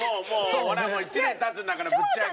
ほらもう１年経つんだからぶっちゃけ。